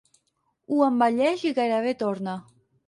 Ho embelleix i gairebé torna.